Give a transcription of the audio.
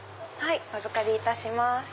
お預かりいたします。